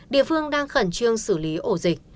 địa phương đang khẩn trương xử lý ổ dịch